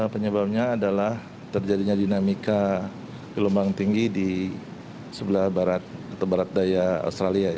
penyebabnya adalah terjadinya dinamika gelombang tinggi di sebelah barat atau barat daya australia